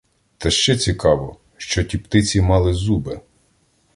Та ще цікаво, що ті птиці мали зуби!